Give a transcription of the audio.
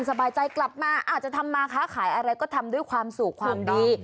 สบายใจกลับมาอาจจะทำมาค้าขายอะไรก็ทำด้วยความสุขความดี